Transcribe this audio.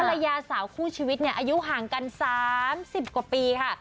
ภรรยาสาวคู่ชีวิตเนี่ยอายุห่างกัน๓๐กว่าปีค่ะ